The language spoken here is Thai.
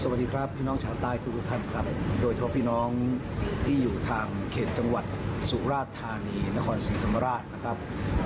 สวัสดีครับพี่น้องชาวใต้ทุกท่านครับโดยเฉพาะพี่น้องที่อยู่ทางเขตจังหวัดสุราชธานีนครศรีธรรมราชนะครับ